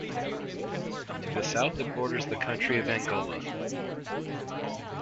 To the south it borders the country of Angola.